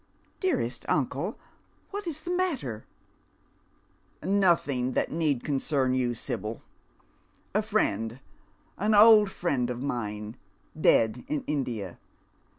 " Dearest uncle, what is the matter ?"" Nothing that need concern you, Sibyl. A friend, an old friend of mine, dead in India.